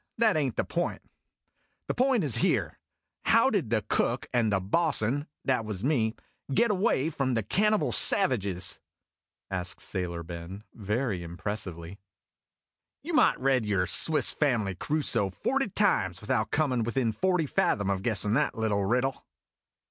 That ain't the point. The A YARN OF SAILOR BENS 217 point is here: How did the Cook and the Bo's'n that was me get away from the cannibal savages ?" asked Sailor Ben, very im pressively. "You might read your 'Swiss Family Crusoe' forty times without comin' within forty fathom of guessin' that little riddle."